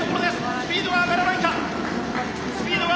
スピードは上がらないか。